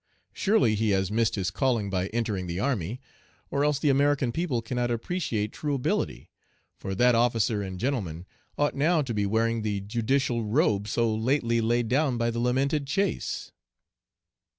Surely he has missed his calling by entering the army, or else the American people cannot appreciate true ability, for that 'officer and gentleman' ought now to be wearing the judicial robe so lately laid down by the lamented Chase.